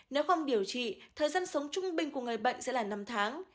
nếu không điều trị thời gian sống trung bình của người bệnh sẽ là năm tháng